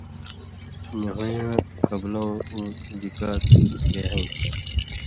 نی ہُوئن٘یاں کبلؤں اُو زِکات نی دے ہَیں تُھو۔